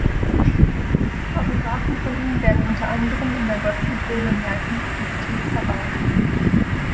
Autographen von ihm werden unter anderem in der Gottfried Wilhelm Leibniz Bibliothek verwahrt.